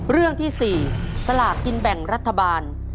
เรื่องที่๔สลากกินแบ่งรัฐบาล